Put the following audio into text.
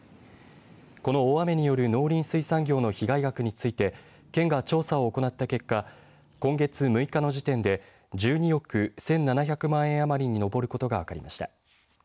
この大雨による農林水産業の被害額について県が調査を行った結果今月６日の時点で１２億１７００万円余りに上ることが分かりました。